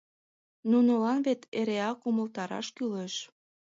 Нунылан вет эреак умылтараш кӱлеш.